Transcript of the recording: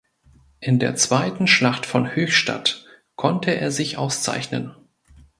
In der Zweiten Schlacht von Höchstädt konnte er sich auszeichnen.